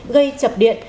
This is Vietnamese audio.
gây chập điện